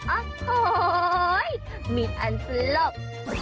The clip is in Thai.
โอ้โหมีอันสลบ